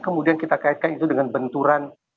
kemudian kita kaitkan itu dengan benturan